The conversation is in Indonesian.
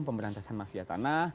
pemberantasan mafia tanah